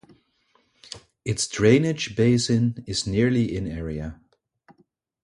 Its drainage basin is nearly in area.